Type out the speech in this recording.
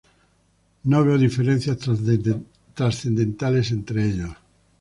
No veo diferencias trascendentales entre ellos".